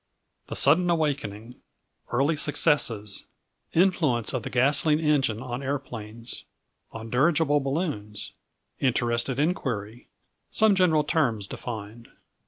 The sudden awakening Early successes Influence of the gasoline engine on aeroplanes On dirigible balloons Interested inquiry Some general terms defined.